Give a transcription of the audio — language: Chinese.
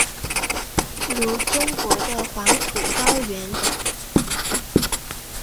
如中国的黄土高原等。